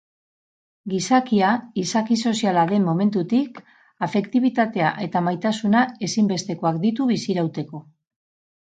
Gizakia izaki soziala den momentutik, afektibitatea eta maitasuna ezibestekoak ditu bizirauteko.